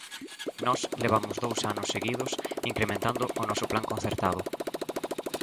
Nós levamos dous anos seguidos incrementando o noso plan concertado.